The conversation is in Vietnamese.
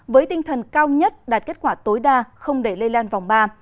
với tinh thần cao nhất đạt kết quả tối đa không để lây lan vòng ba